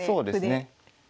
そうですね。